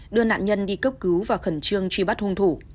đưa nạn nhân đi cấp cứu và khẩn trương truy bắt hung thủ